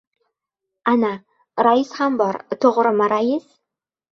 Ana, rais ham bor. To‘g‘rimi, rais?